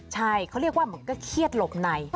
ใช่เขาเรียกว่าเหมือนก็เครียดหลบใน